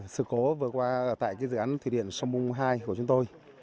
sự cố vừa qua tại dự án thủy điện sông mung hai của chúng tôi